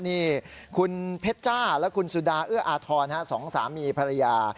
นี่คุณเพชรจ้าและคุณสุดาเอื้ออาทรสองสามีภรรยา